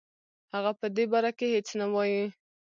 هغه په دې باره کې هیڅ نه وايي.